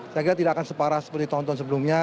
saya kira tidak akan separah seperti tahun tahun sebelumnya